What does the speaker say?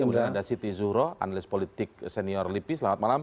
kemudian ada siti zuhro analis politik senior lipi selamat malam